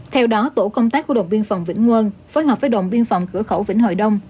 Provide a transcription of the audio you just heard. theo đó tổ công tác của động biên phòng vĩnh ngương phối hợp với động biên phòng cửa khẩu vĩnh hồi đông